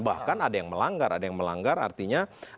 bahkan ada yang melanggar ada yang melanggar artinya